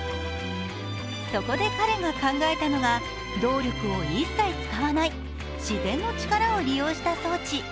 そこで彼が考えたのが動力を一切、使わない自然の力を利用した装置。